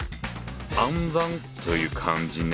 「暗算」という漢字ね。